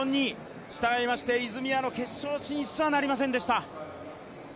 したがいまして泉谷の決勝進出はなりませんでした。